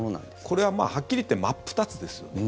これははっきり言って真っ二つです。